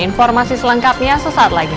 informasi selengkapnya sesaat lagi